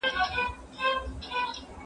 زه اوږده وخت مېوې راټولوم وم